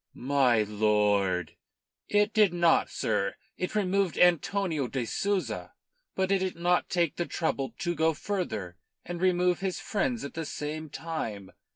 "My lord!" "It did not, sir. It removed Antonio de Souza, but it did not take the trouble to go further and remove his friends at the same time.